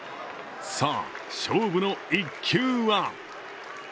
さあ、勝負の一球は？